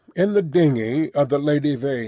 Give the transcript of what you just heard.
IN THE DINGEY OF THE "LADY VAIN."